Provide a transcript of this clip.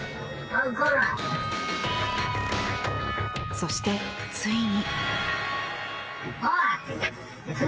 そして、ついに。